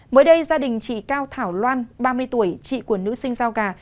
mới đây gia đình chị cao thảo loan ba mươi tuổi chị của nữ sinh giao gà